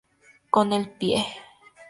Con el pie".